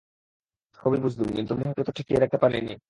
সবই বুঝলুম, কিন্তু মোহকে তো ঠেকিয়ে রাখতে পারি নে।